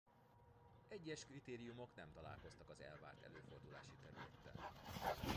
Egyes kritériumok nem találkoztak az elvárt előfordulási területtel.